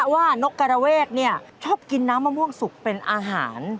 นกกระเวทชอบกินน้ำมะม่วงสุกเป็นอาหาร